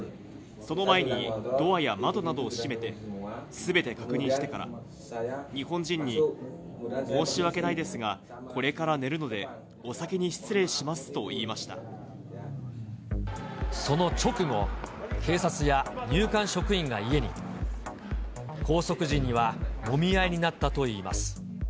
その前に、ドアや窓などを閉めて、すべて確認してから、日本人に、申し訳ないですが、これから寝るので、その直後、警察や入管職員が家に。拘束時にはもみ合いになったといいます。